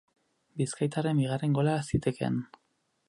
Bizkaitarren bigarren gola zitekeen.